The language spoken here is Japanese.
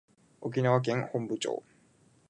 沖縄県本部町